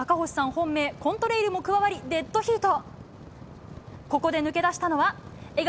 本命、コントレイルも加わり、デッドヒート。